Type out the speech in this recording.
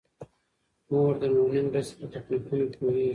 مور د لومړنۍ مرستې په تخنیکونو پوهیږي.